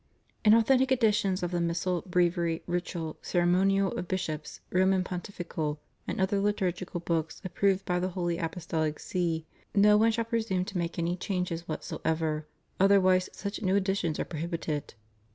In authentic editions of the Missal, Breviary, Ritual, Ceremonial of Bishops, Roman Pontifical, and other liturgical books approved by the holy Apostolic See, no one shall presume to make any change whatsoever; other wise such new editions are prohibited.